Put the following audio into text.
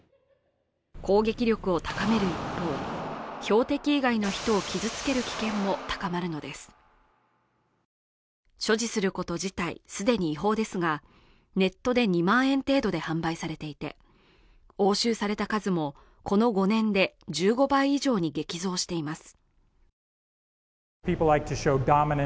攻撃力を高める一方標的以外の人を傷つける危険も高まるのです所持すること自体すでに違法ですがネットで２万円程度で販売されていて押収された数もこの５年で１５倍以上に激増しています